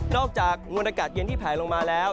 จากมวลอากาศเย็นที่แผลลงมาแล้ว